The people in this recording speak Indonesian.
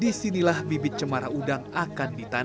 disinilah bibit cemara udang akan ditanam